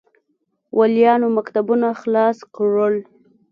والیانو مکتوبونه خلاص کړل.